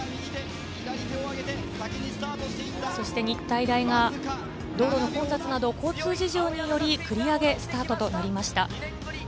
日体大が道路の混雑など交通事情により繰り上げスタートとなりました。